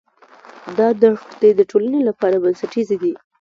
دا دښتې د ټولنې لپاره بنسټیزې دي.